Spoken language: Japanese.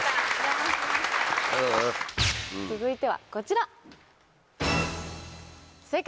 続いてはこちら！